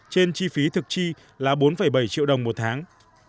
trên chi phí thực chi là bốn bảy triệu đồng một tháng